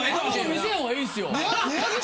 見せへん方がいいっすよ。